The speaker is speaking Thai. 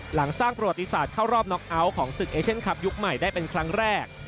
หลังสร้างประวัติศาสตร์เข้ารอบน็อกเอาท์ของศึกเอเชียนคลับยุคใหม่ได้เป็นครั้งแรก